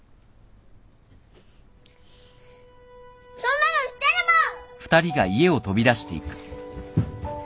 そんなの知ってるもん。